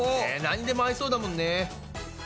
なんにでも合いそうだもんね。